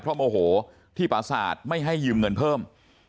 เพราะโมโหที่ปราศาสตร์ไม่ให้ยืมเงินเพิ่ม